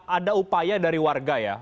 ada upaya dari warga ya